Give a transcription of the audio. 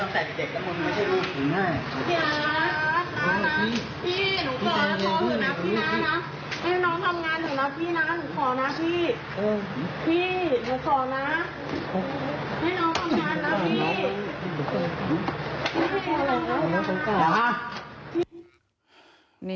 พี่อัส